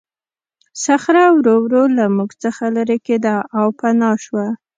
صخره ورو ورو له موږ څخه لیرې کېده او پناه شوه.